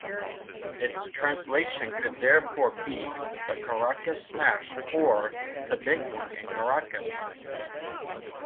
Its translation could therefore be "the Caracas smash" or "the big one in Caracas".